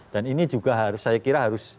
dan ini juga harus saya kira